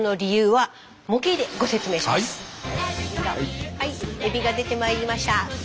はいエビが出てまいりました。